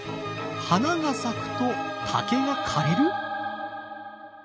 花が咲くと竹が枯れる？